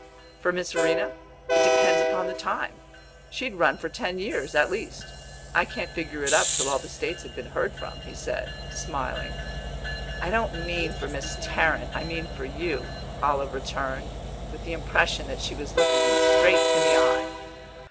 "For Miss Verena? It depends upon the time. She'd run for ten years, at least. I can't figure it up till all the States have been heard from," he said, smiling. "I don't mean for Miss Tarrant, I mean for you," Olive returned, with the impression that she was looking him straight in the eye.